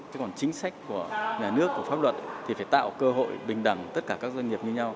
thế còn chính sách của nhà nước của pháp luật thì phải tạo cơ hội bình đẳng tất cả các doanh nghiệp như nhau